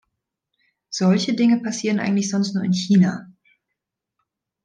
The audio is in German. Solche Dinge passieren eigentlich sonst nur in China.